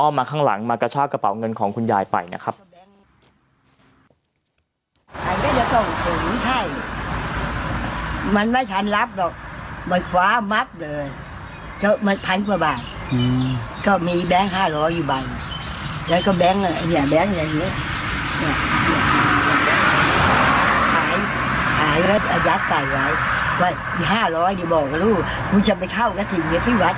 มาข้างหลังมากระชากระเป๋าเงินของคุณยายไปนะครับ